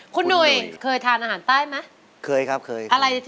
คุณหน่วยเคยทานอาหารใต้ไหม